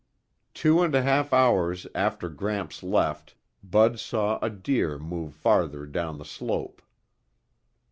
Two and a half hours after Gramps left, Bud saw a deer move farther down the slope.